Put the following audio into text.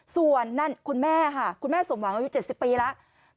ส่วนนั่นคุณแม่ค่ะคุณแม่สมหวังอายุ๗๐ปีแล้ว